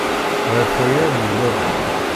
Ɣef waya ay nella da.